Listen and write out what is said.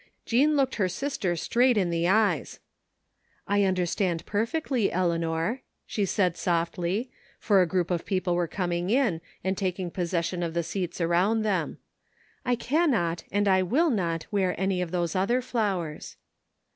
Jean looked her sister straight in the eyes. " I understand perfectly, Eleanor," she said softly, for a group of people were coming in and taking pos session of the seats around them. "I cannot and will not wear any of those other flowers."